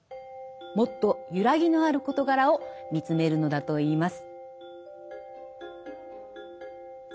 もっと揺らぎのある事柄を見つめるのだといいます。